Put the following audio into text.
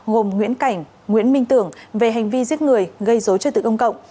gồm nguyễn cảnh nguyễn minh tưởng về hành vi giết người gây dối trật tự công cộng